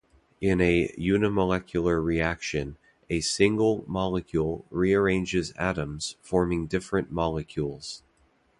In a unimolecular reaction, a single molecule rearranges atoms forming different molecules.